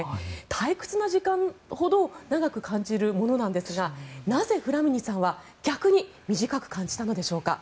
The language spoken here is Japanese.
退屈な時間ほど長く感じるものなんですがなぜ、フラミニさんは逆に短く感じたのでしょうか。